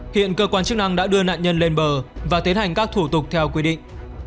hiện cơ quan chức năng đã đưa nạn nhân lên bờ và tiến hành các thủ tục theo quy định